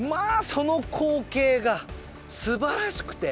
その光景がすばらしくて。